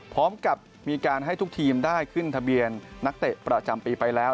พร้อมกับมีการให้ทุกทีมได้ขึ้นทะเบียนนักเตะประจำปีไปแล้ว